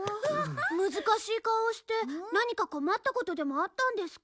難しい顔をして何か困ったことでもあったんですか？